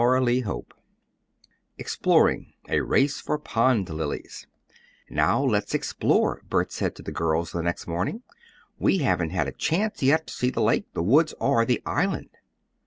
CHAPTER VIII EXPLORING A RACE FOR POND LILIES "Now let's explore," Bert said to the girls the next morning. "We haven't had a chance yet to see the lake, the woods, or the island."